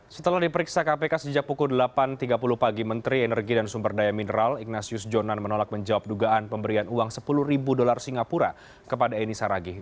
setelah diperiksa kpk sejak pukul delapan tiga puluh pagi menteri energi dan sumber daya mineral ignatius jonan menolak menjawab dugaan pemberian uang sepuluh ribu dolar singapura kepada eni saragih